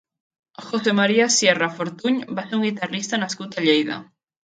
José Maria Sierra Fortuny va ser un guitarrista nascut a Lleida.